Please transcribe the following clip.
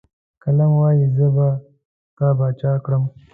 قلم وايي، زه به تا باچا کړم.